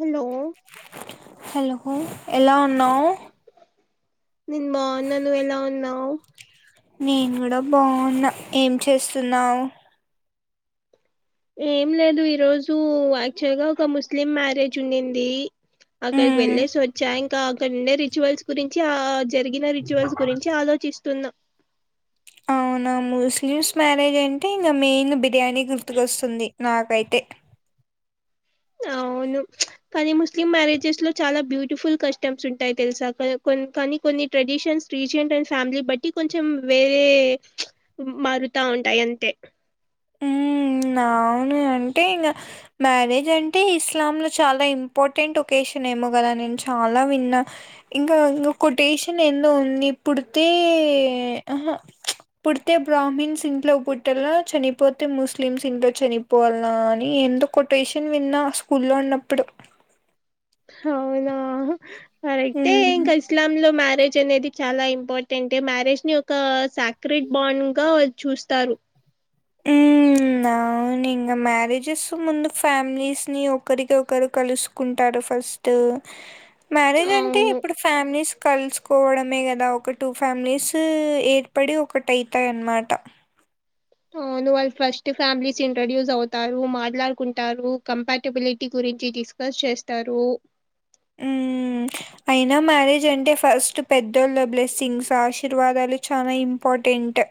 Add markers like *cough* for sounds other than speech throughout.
Hello hello ఎలా ఉన్నావ్ నేను బావున్న నువ్వు ఎలా ఉన్నావ్ నేను కూడ బావున్న ఏం చేస్తున్నావ్ ఏం లేదు ఈ రోజూ యాక్చువల్ గా ఒక ముస్లిం మ్యారేజ్ ఉన్నిందీ అక్కడికి మ్మ్ వెళ్లేేసి వచ్చా ఇంకా అక్కడ ఉండే రిచువల్స్ గురించి ఆ జరిగిన రిచువల్స్ గురించి ఆలోచిస్తున్న అవునా ముస్లిమ్స్ మ్యారేజ్ అంటే ఇంక మెయిన్ బిర్యానీ గుర్తుకొస్తుంది నాకైతే అవును కానీ ముస్లిం మ్యారేజెస్ లో చాల బ్యూటిఫుల్ కస్టమ్స్ ఉంటయ్ తెలుసా కాని కొని కానీ కొన్ని ట్రెడిషన్స్ రీజియన్ అండ్ ఫ్యామిలీ బట్టి కొంచెం వేరే మారుతా ఉంటయ్ అంతే ఆమ్ అవును అంతే ఇంగ మ్యారేజ్ అంటే ఇస్లామ్లో చాలా ఇంపార్టెంట్ ఒకేషన్ ఏమో కదా నేను చాలా విన్నా ఇంగా ఇంక కొటేషన్ ఎందో ఉంది పుడితే అహా పుడితే బ్రాహ్మిన్స్ ఇంట్లో పుట్టల్ల చనిపో పోతే ముస్లిమ్స్ ఇంట్లో చనిపోవల్నా అని ఏందో కొటేషన్ విన్నా స్కూల్లో ఉన్నప్పుడు అవునా కరెక్టే ఏం హ్మ్. కల్స్ ఇస్లాం లో మ్యారేజ్ అనేది చాలా ఇంపార్టెంటే మ్యారేజ్ ని ఒకా సాక్రిట్ బాండ్ గా చూస్తారు ఊ వునా ఇంక మ్యారేజెస్ ముందు ఫ్యామిలీస్ ని ఒకరికి ఒకరు కలుసు కుంటాడు ఫస్టూ *inaudible* మ్యారేజ్ అంటే అవును ఇప్పుడు ఫ్యామిలీస్ కలుసుకోవడమే కదా ఒక టూ ఫ్యామిలీసూ ఏర్పడి ఒకటవుతాయన్మాట ఊ నువ్ వాళ్ ఫస్ట్ ఫ్యామిలీస్ ఇంట్రొడ్యూస్ అవుతారూ మాట్లాడుకుంటారూ కంపాటబిలిటీ గురించి తీసుకు పస్ చేస్తారూ ఊ అయినా మ్యారేజ్ అంటే ఫస్ట్ పెద్దోళ్ళ బ్లెస్సింగ్స్ ఆశీర్వాదాలు చానా ఇంపార్టెంట్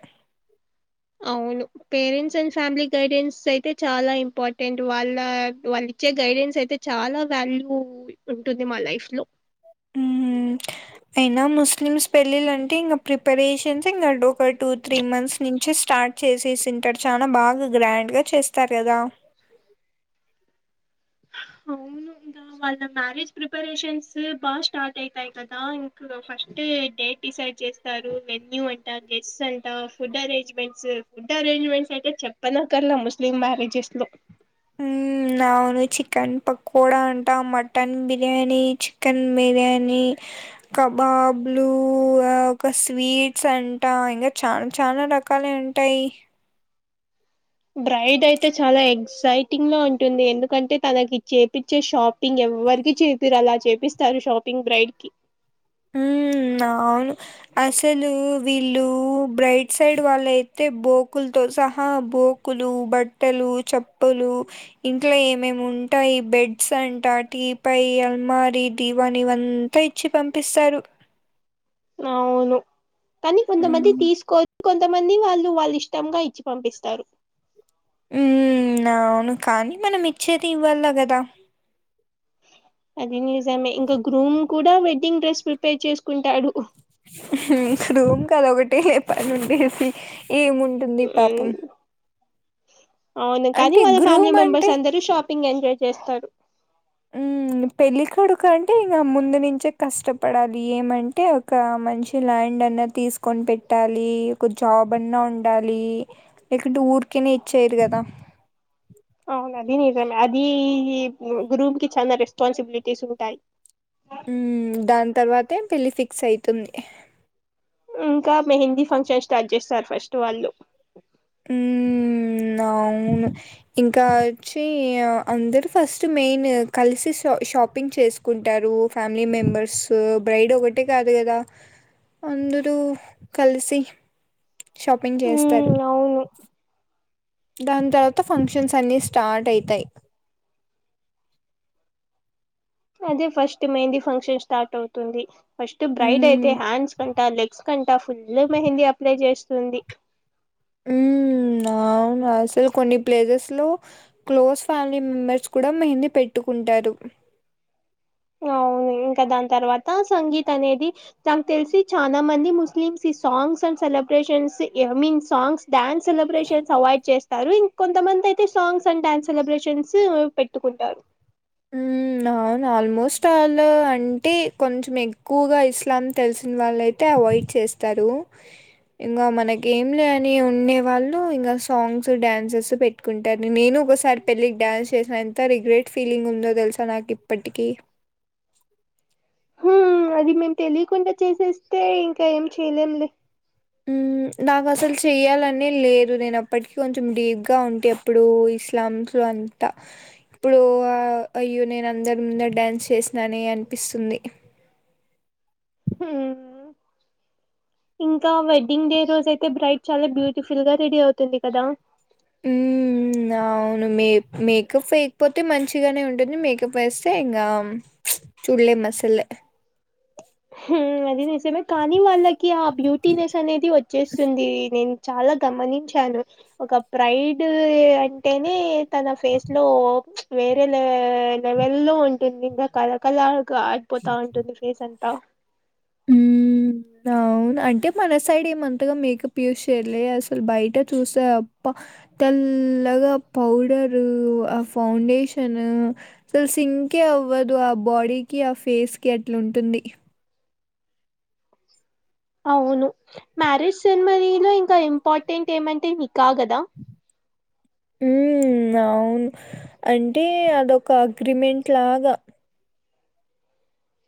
అవును పేరెంట్స్ అండ్ ఫ్యామిలీ గైడెన్స్ అయితే చాలా ఇంపార్టెంట్ వాల్లా వాళ్ళు ఇచ్చే గైడెన్స్ అయితే చాలా వాల్యూ ఉంటుంది మా లైఫ్ లో హ్మ్. *inaudible* అయినా ముస్లిమ్స్ పెళ్లిళ్ల అంటే ఇంక ప్రిపరేషన్స్ ఇంక ఒక టూ త్రీ మంత్స్ నుంచే స్టార్ట్ చేసే సింటడు చాన బాగ గ్రాండ్ గా చేస్తారు కదా అవును అంద వాళ్ళ మ్యారేజ్ ప్రిపరేషన్సు బా స్టార్ట్ అయితాయి కదా ఇంట్లో ఫస్ట్ డేట్ డిసైడ్ చేస్తారు మెన్యూ అంట గెస్ట్ అంట ఫుడ్ అరేంజ్మెంట్స్ ఫుడ్ అరేంజ్మెంట్స్ అయితే చెప్పనకర్లా ముస్లిం మ్యారేజెస్ లో *inaudible* నావును చికెన్ పకోడా అంటా మటన్ బిర్యానీ చికెన్ బిర్యానీ కబాబ్లూ ఆ ఒక స్వీట్స్ అంటా ఇంగ చా చాన రకాలె అంట్ టయ్ బ్రైడ్ అయితే చాలా ఎక్సైటింగ్ గా ఉంటుంది ఎందుకంటే తనకి చేపిచ్చే షాప్ ఇంగ ఎవ్వరికి చేపీరు అలా చేపిస్తారు షాపింగ్ బ్రైడ్ కి ఊ అవును అసలూ వీళ్లూ బ్రైట్ సైడ్ వాళ్ళయి తె బోకుల్ తో సహా బోకులూ బట్టలూ చెప్పలూ ఇంట్లో ఏమేమి ఉంటాయి బెడ్స్ అంటా టీ పయ్ అల్మారి దీవాని ఈ వన్ తే ఇచ్చి పంపిస్సారు కానీ కొంతమంది మ్మ్ తీసుకో కొంతమంది వాళ్ళు వాళ్ళ ఇష్టంగా ఇచ్చి పంపిస్తారు ఉ అవును కానీ మనం ఇచ్చేది ఇవ్వాల కదా అది నిజమే ఇంకా గ్రూమ్ కూడా వెడ్డింగ్ డ్రెస్ ప్రిపేర్ చేసుకుంటాడు గ్రూమ్ కదొకటి లే పనిండేది ఏముంటుంది ఉమ్, పాపం అవును కానీ అంటే వాళ్ళ ఫ్యామిలీ గ్రూమ్ అంటే మెంబర్స్ అందరు షాపింగ్ ఎంజాయ్ చేస్తారు అ పెళ్ళికొడుకు అంటే ఇంక ముందు నుంచే కష్టపడాలి ఏమంటే ఒక మంచి ల్యాండ్ అన్నది తీసుకొని పెట్టాలి ఒక జాబ్ అన్నా ఉండాలి ఇక్కడ ఊరికనే ఇచ్చేారు కదా అవును అది నిజమే అది గ్రూపు కి చాన రెస్పాన్సిబిలిటీస్ ఉంటాయి మ్ దాని తర్వాతే పెళ్లిి ఫిక్స్ అయితుంది ఇంకా మెహందీ ఫంక్షన్ స్టార్ట్ చేస్తారు ఫస్ట్ వాళ్ళు మ్ అవును ఇంకా వచ్చి అందరు ఫస్ట్ మెయిన్ కలిసిష షాపింగ్ చేసు కుంటారు ఫ్యామిలీ మెంబర్స్ బ్రైడ్ ఒకటే కాదు కదా అందరు కలిసి షాపింగ్ చేస్తారు ఉమ్ అవును దాని తర్వాత ఫంక్షన్స్ అన్ని స్టార్ట్ అవుతాయి అదే ఫస్ట్ మెహందిీ ఫంక్షన్ స్టార్ట్ అవుతుంది ఫస్ట్ బ్రైడ్ అయి మ్మ్ అ హ్యాండ్స్ కంటా లెగ్స్ కంటా ఫుల్ మెహందీ అప్లై చేస్తుంది మ్ అవును అసలు కొన్ని ప్లేసెస్ లో క్లోజ్ ఫ్యామిలీ మెంబెర్స్ కూడా మెహంది పెట్టుకుంటారు అవును ఇంకా దాని తర్వాత సంగీత్ అనేది నాకు తెలిసి చాలా మంది ముస్లిమ్స్ ఈ songs and celebrations I mean songs dance celebrations avoid చేస్తారు ఇం కొంతమంది అయితే సాంగ్స్ అండ్ డ్యాన్స్ సెలబ్రేషన్స్ పెట్టుకుంటారు *inaudible* నాన్ ఆల్మోస్ట్ ఆల్ అంటే కొంచెం ఎక్కువగా ఇస్లామ్ తెలిసిన వాళ్ళయి అే అవాయిడ్ చేస్తారు ఇంగ మనకేం లేని ఉండే వాళ్ళు ఇంగ సాంగ్స్ డ్యాన్సెస్ పెట్ ట్టుకుంటారు నేను ఒకసారి పెళ్ళికి డాన్స్ చేసిన ఎంత రిగ్రెట్ ఫీలింగ్ ఉందో తెలుసా నాకు ఇప్పటికీ హు మ్ అది మేము తెలియకుండా చేసేస్తే ఇంకా ఏం చేయలేంలే *inaudible* నాకు అసలు చెయ్యాలనే లేదు నేనుప్పటికిీ కొంచెం డీప్గా ఉంటే అప్పుడు ఇస్లామ్స్లో అ ఇప్పుడు అయ్యో నేను అందరి ముందట డ్యాన్స్ చేసినానే అనిపిస్తుంది హుమ్ ఇంకా వెడ్డింగ్ డే రోజు అయితే బ్రైట్ చాలా బ్యూటిఫుల్ గా రెడీ అవుతుంది కదా మ్మ్ హు అవును మే మేకప్ వేయకపోతే మంచిగానే ఉంటుంది మేకప్ వేస్తే ఇంగ చుళ్లెం అసల్ మ్ అది నిజమే కానీ వాళ్ళకి ఆ బ్యూటీనెస్ అనేది వచ్చేస్తుంది నేను చాలా గమనించాను ఒక ప్రైడ్ అంటేనే తన ఫేస్ లో వేరేల్ లెవెల్లో ఉంటుంది ఇంకా కల కలడి పోతా ఉంటుంది ఫేస్ అంతా హ్మ్. *inaudible* అవును అంటే మన సైడ్ ఏమంతగా మేకప్ యూస్ వెలే అసలు బయట చూస్తే అబ్బ తెల్లగా పౌడరు ఆ ఫౌండేషన్ అసలు సింకే అవ్వదు ఆ బాడీకిి ఆ ఫేస్ కి అట్లా ఉంటుంది *inaudible* అవును మ్యారేజ్ సెరమనీ లో ఇంకా ఇంపార్టెంట్ ఏమంటే నిక్క కదా మ్ అవును అంటే అదొక అగ్రిమెంట్ లాగా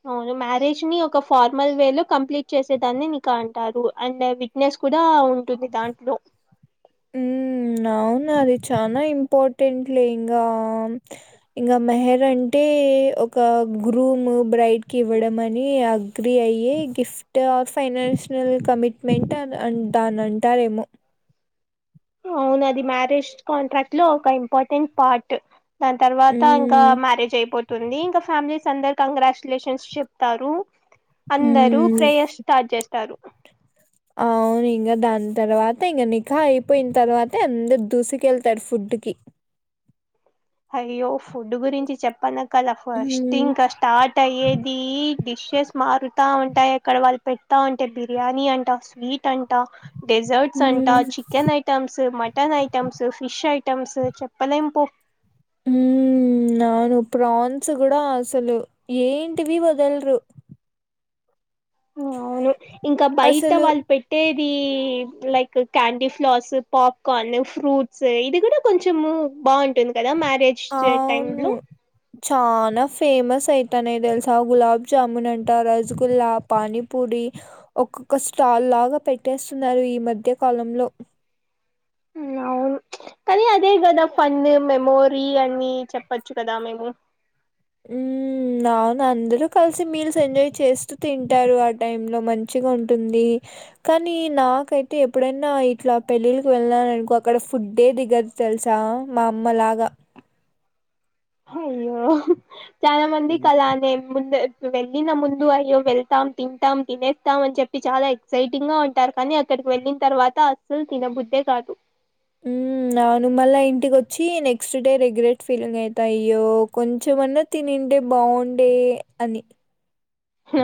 అవును మ్యారేజ్ ని ఒక ఫార్మల్ వే లో కంప్లీట్ చేసేదాన్ని నీకు అంటారు అండ్ నెస్ కూడా ఉంటుంది దాంట్లో మ్ అవును అది చనా ఇంపార్టెంట్ లే ఇంగ ఇంకా మెహర్ అంటే ఒక గ్రూమ్ బ్రైట్ కి ఇవ్వడం అని ఆ. గ్రీయ్యి గిఫ్ట్ ఆర్ ఫైనాన్షియల్ కమిట్మెంట్ అ దాని అంటారేమో. అవునది మ్యారేజ్ కాంట్రాక్ట్ లో ఒక ఇంపార్టెంట్ పార్ట్ దాని తర్వాత ఇంకా హ్మ్. మ్యారేజ్ అయిపో తుంది ఇంకా ఫ్యామిలీస్ అందరు కంగ్రాచ్యులేషన్స్ చెప్తారు. అందరూ హ్మ్. ప్రేయర్ స్టార్ చేస్తారు ఇంగా దాని తర్వాత ఇంగా నిగా అయిపోయిన తర్వాత అందరు దూసుకెళ్తారు ఫుడ్ కి అయ్యో ఫుడ్ గురించి చెప్ప నా. కలా ఫస్ట్ హ్మ్. ఇంకా స్టార్ట్ అయ్యేది డిషెస్. మారుతా ఉంటాయి అక్కడ వాళ్ళు పెడతా ఉంటే బిర్యానీ అంట స్వీట్ అంట డెజర్ట్స్ అంటా హ్మ్. చికెన్ ఐ. Items mutton items fish items చెప్పలేం పో హ్మ్మ్ అవును ప్రాన్స్ కూడా అసలు ఏంటివి వదల్రు అవును ఇంకా బయట అసలు వాళ్ళు పెట్టేది. Like candy flowers popcorn fruits ఇది కూడా కొంచము బాగుంట ఉంటుంది గదా మ్యారేజ్ టైమ్ లో చాలా ఫేమస్ అయితనాయి తెలుసా గులాబ్ జాముూన్ అంటా రస్గుల్లా పాని. పూడి ఒక్కొక్క స్టాల్ లాగా పెట్టేసున్నారు ఈ మధ్య కాలంలో. అవును కానీ అదే గదా ఫన్ మెమోరీ అని చెప్పచ్చు కదా మేము. హ్మ్మ్ అవును అందరూ కలిసి మీల్స్ ఎంజాయ్ చేస్తూ తింటారు ఆ టైంలో మంచిగా ఉంటుంది. కానీ నాకైతే ఎప్పుడైనా ఇట్లా పెళ్ళిళ్ళకి వెళ్ళను అనుకో అక్కడ ఫుడ్డే దిగదు. తెలుసా మా అమ్మ లాగా అయ్యో చాలా మంది మ్మ్ కలానే ముంద్. వెళ్ళిన ముందు అయ్యో వెళ్తాం తింటాం తినేస్తాం అని చెప్పి చాలా ఎక్సైటింగ్ గా ఉంటారు కానీ. అక్కడికి వెళ్ళిన తర్వాత అసలు తినబుద్దే కాదు అ నాను మళ్ళ ఇంటికి వచ్చి నెక్స్ట్ డే రిగ్రెట్ ఫీలింగ్ అవుతాయ్యో కొంచెంమన్నా. తినిండే బాగుండే అని.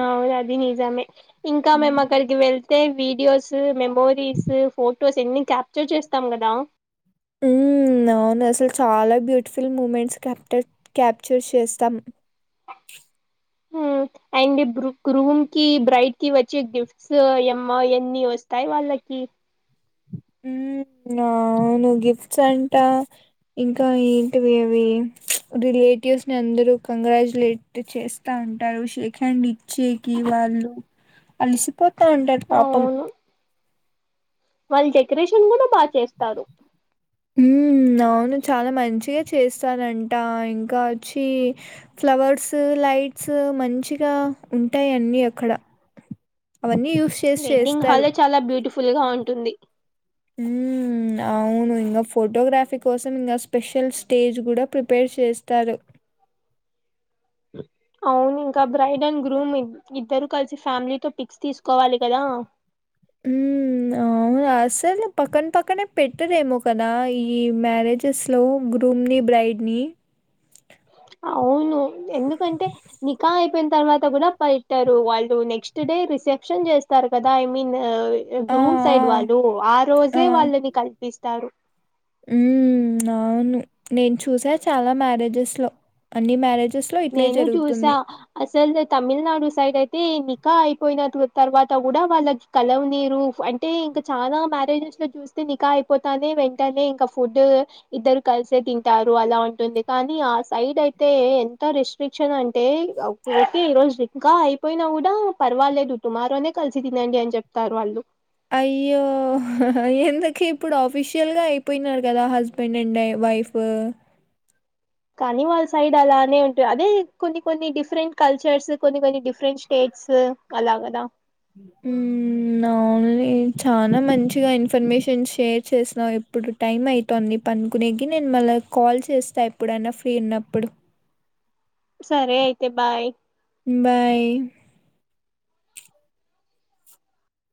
అవును అది నిజమే ఇంకా మ్మ్. మేమ్మక్కడికి. వెళ్తే వీడియోస్ మెమోరీస్ ఫొటోస్ ఎన్ని క్యాప్చర్ చేస్తాం గదా అవును అసలు చాలా బ్యూటిఫుల్ మూమెంట్స్ క్యాప్ట క్యాప్చర్ చేస్తాం. హ్మ్. అండ్ రూమ్ కి బ్రైట్ కి వచ్చి గిఫ్ట్స్ ఏమ్మా ఎన్నీ వస్తాయి వాళ్ళకి ఉమ్మ్ అవును గిఫ్ట్స్ అంటా ఇంకా ఏంటివి అవి రిలేటివ్స్ని అందరూ కంగ్రాచ్యులేట్. చేస్తా ఉంటారు షేక్ హ్యాండ్ ఇచ్చేకి వాళ్ళు అలిసి. పోతా ఉంటాడు పాపం. అవును వాళ్ళు డెకరేషన్ కూడా బాగా చేస్తారు. హ్మ్మ్ అవును చాలా మంచిగా చేస్తారంటా ఇంకా చ్చి ఫ్లవర్స్ లైట్స్ మంచిగా ఉంటాయి అన్నీ అక్కడ. అవన్నీ యూస్ వెడ్డింగ్ హాల్ చాలా బ్యూటిఫుల్ గా ఉంటుంది. హ్మ్మ్ అవును ఇంగా ఫోటోగ్రఫీ కోసం ఇంకా స్పెషల్ స్టేజ్ కూడా ప్రిపేర్ చేస్తారు. అవును ఇంకా బ్రైడ్ అండ్ గ్రూమ్ ఇద్దరు కలిసి ఫ్యామిలీ తో పిక్స్ తీసుకోవాలి కదా ఉమ్మ్ అవును అసలు పక్కన పక్కనే పెట్టరేమో కదా ఈ మ్యారేజెస్ లో గ్రూమ్ని బ్రైడ్ని అవును ఎందుకంటే నిఖా అయిపోయిన తర్వాత కూడా పట్టారు వాళ్ళు నెక్స్ట్ డే రిసెప్షన్ చేస్తారు కదా ఐ మీన్ ఆ! గ్రూమ్ సైడ్ వాళ్ళు ఆ రోజే వాళ్ళని కల్పిస్తారు ఉ అవును నేను చూసా చాలా మ్యారేజెస్ లో అన్ని మ్యారేజెస్ లో ఇట్లే నేను చూసా జరుగుతుంది అసలు తమిళనాడు సైడ్ అయితే నిఖా అయిపోయిన తర్వాత కూడా వాళ్ళకి కలవనీరు అంటే ఇంకా చాలా మ్యారేజెస్ లో చూ నిఖా అయిపోతానే వెంటనే ఇంకా ఫుడ్ ఇద్దరు కలిసే తింటారు అలా ఉంటుంది కానీ ఆ సైడ్ అయితే ఎంత రెస్ట్రిక్షన్ అంటే ఓకే ఈ రోజు నిఖా అయిపోయినా కూడా పర్వాలేదు టుమారోనే కలిసి తినండి అని చెప్తారు వాళ్ళు అయ్యో ఎందుకే ఇప్పుడు ఆఫిషియల్గా అయిపోయినారు కదా హస్బెండ్ అండ్ వై ఫ్ కానీ వాళ్ళ సైడ్ అలానే ఉంటాయి అదే కొన్ని కొన్ని డిఫరెంట్ కల్చర్స్ కొన్ని కొన్ని డిఫరెంట్ స్టేట్స్ అలాగద ఉమ్మ్ *inaudible* చాలా మంచిగా ఇన్ఫర్మేషన్ షేర్ చేసినావు ఇప్పుడు టైం అవుతుంది పనుకునేకి నేను మళ్ళ కాల్ చేస్తా ఎప్పుడైనా ఫ్రీ ఉన్నప్పుడు సరే అయితే బాయ్ బాయ్